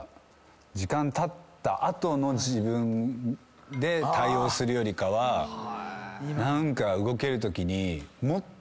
時間たった後の自分で対応するよりかは動けるときに持っとくと。